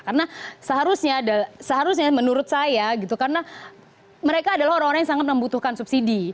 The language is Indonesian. karena seharusnya menurut saya gitu karena mereka adalah orang orang yang sangat membutuhkan subsidi